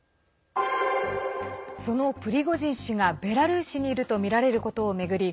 そのプリゴジン氏がベラルーシにいるとみられることを巡り